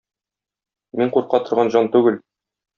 Мин курка торган җан түгел.